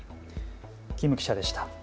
金記者でした。